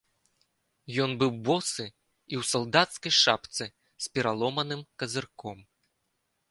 Ён быў босы і ў салдацкай шапцы з пераломаным казырком.